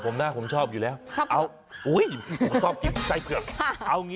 มันจะหวานหน่อยไง